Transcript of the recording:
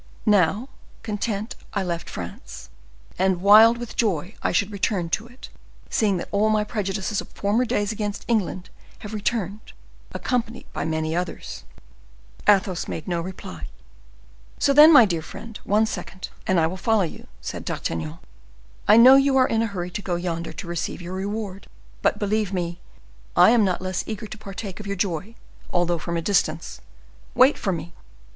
Now, content I left France, and wild with joy I should return to it, seeing that all my prejudices of former days against England have returned, accompanied by many others." Athos made no reply. "So, then, my dear friend, one second, and I will follow you," said D'Artagnan. "I know you are in a hurry to go yonder to receive your reward, but, believe me, I am not less eager to partake of your joy, although from a distance. Wait for me."